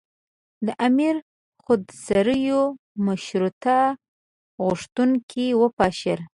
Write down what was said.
د امیر خودسریو مشروطیه غوښتونکي وپاشل.